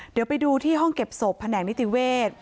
เดี๋ยวไปดูที่ห้องเก็บศพแผนกนิติเวศ